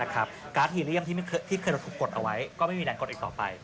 การ์ดฮีเรียมที่เคยถูกกดเอาไว้ก็ไม่มีแรงกดอีกต่อไป